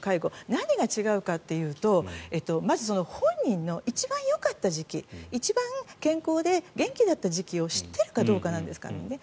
何が違うかというとまず、本人の一番よかった時期一番健康で元気だった時期を知っているかどうかなんですね。